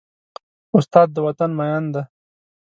استاد د وطن مین دی.